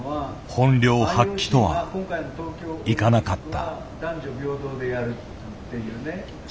本領発揮とはいかなかった。